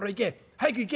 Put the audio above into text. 早く行け」。